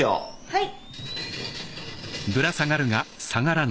はい。